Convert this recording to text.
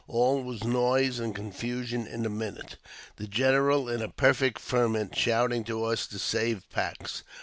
All was noise and confusion in a minute, the general, in a perfect ferment, shouting to us to save packs.